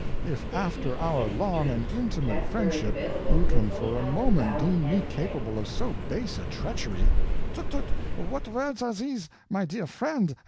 If after our long and intimate friendship you can for a moment deem me capable of so base a treachery " "Tut, tut! What words are these, my dear friend?